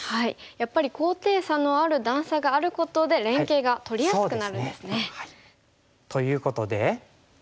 やっぱり高低差のある段差があることで連携がとりやすくなるんですね。ということで。